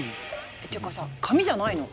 っていうかさ紙じゃないの？